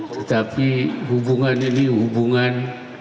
tetapi hubungan ini hubungan